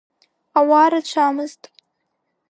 Ауаа рацәамызт.